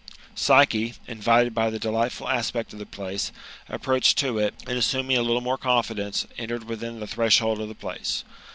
Psyche, invited by the delightful aspect of the place, ap proached to it^ and assuming a little more confidence, entered within the threshold of the place.